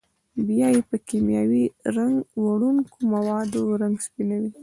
بیا یې په کېمیاوي رنګ وړونکو موادو رنګ سپینوي.